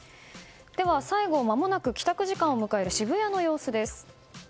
では、最後まもなく帰宅時間を迎える渋谷の様子です。